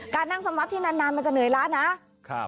การนั่งสมาธินานมันจะเหนื่อยละนะ